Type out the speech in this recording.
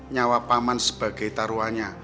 nyawa paman sebagai taruanya